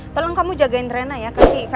tolong kamu jagain drena ya